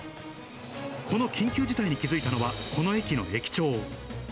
この緊急事態に気付いたのは、この駅の駅長。